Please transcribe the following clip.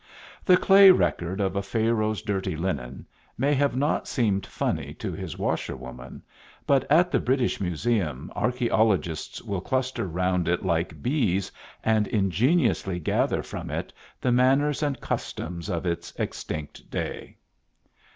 The clay record of a Pharaoh's dirty linen may have not seemed funny to his washerwoman, but at the British Museum archaeologists will cluster round it like bees and ingeniously gather from it the manners and customs of its extinct day.